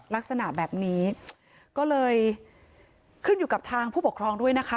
ลักษณะแบบนี้ก็เลยขึ้นอยู่กับทางผู้ปกครองด้วยนะคะ